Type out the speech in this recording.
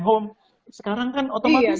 home sekarang kan otomatis